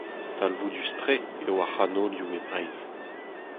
Talvoudus-tre eo ar c'hanolioù e Breizh.